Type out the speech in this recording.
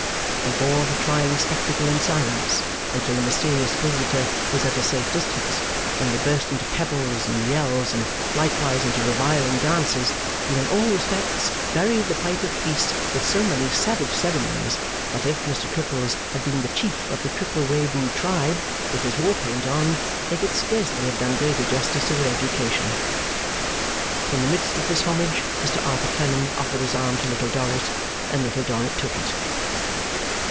They bore the trying spectacle in silence, until the mysterious visitor was at a safe distance; when they burst into pebbles and yells, and likewise into reviling dances, and in all respects buried the pipe of peace with so many savage ceremonies, that, if Mr Cripples had been the chief of the Cripplewayboo tribe with his war paint on, they could scarcely have done greater justice to their education. In the midst of this homage, Mr Arthur Clennam offered his arm to Little Dorrit, and Little Dorrit took it.